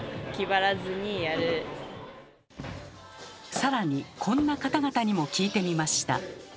更にこんな方々にも聞いてみました。